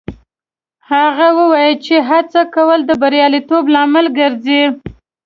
هغه وایي چې هڅه کول د بریالیتوب لامل ګرځي